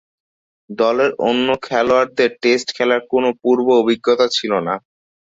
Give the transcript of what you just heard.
দলের অন্য খেলোয়াড়দের টেস্ট খেলার কোন পূর্ব-অভিজ্ঞতা ছিল না।